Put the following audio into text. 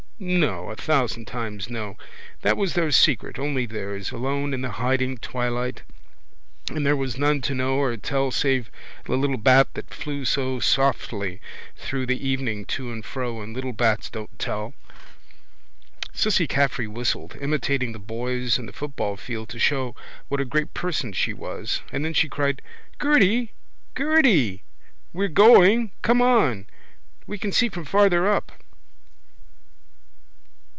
No, a thousand times no. That was their secret, only theirs, alone in the hiding twilight and there was none to know or tell save the little bat that flew so softly through the evening to and fro and little bats don't tell. Cissy Caffrey whistled, imitating the boys in the football field to show what a great person she was: and then she cried: —Gerty! Gerty! We're going. Come on. We can see from farther up.